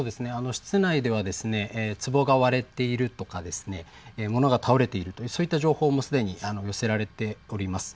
室内ではつぼが割れているとか物が倒れている、そういった情報もすでに寄せられております。